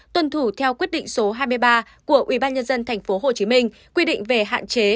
tuân thủ theo quyết định số hai mươi ba của ubnd tp hcm quy định về hạn chế